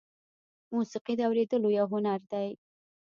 موسیقي د اورېدلو یو هنر دی.